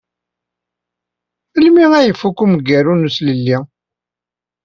Melmi ay ifuk umgaru n uslelli?